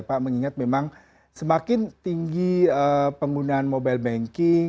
pak mengingat memang semakin tinggi penggunaan mobile banking